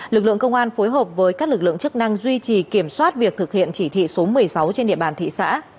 lực lượng công an phối hợp với các lực lượng chức năng duy trì kiểm soát việc thực hiện chỉ thị số một mươi sáu trên địa bàn thị xã